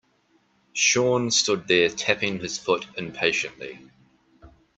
Sean stood there tapping his foot impatiently.